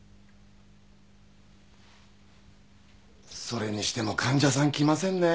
それにしても患者さん来ませんね。